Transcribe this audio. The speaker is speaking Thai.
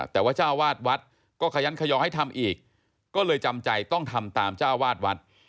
แต่ว่าเจ้าวาดวัดก็ขยันขยอให้ทำอีกก็เลยจำใจต้องทำตามเจ้าวาดวัด